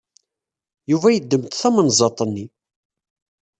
Yuba yeddem-d tamenzaḍt-nni.